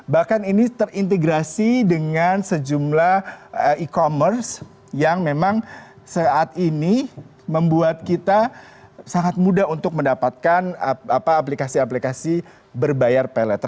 bahkan ini terintegrasi dengan sejumlah e commerce yang memang saat ini membuat kita sangat mudah untuk mendapatkan aplikasi aplikasi berbayar pay later